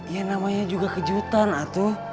ya namanya juga kejutan atau